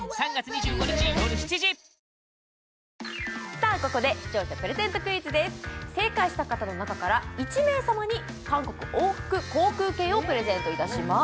さあここで視聴者プレゼントクイズです正解した方の中から１名様に韓国往復航空券をプレゼントいたします